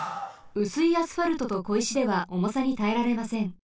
うすいアスファルトとこいしではおもさにたえられません。